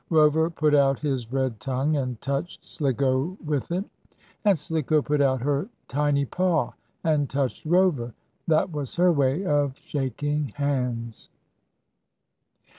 Rover put out his red tongue and touched Slicko with it. And Slicko put out her tiny paw and touched Rover. That was her way of shaking hands.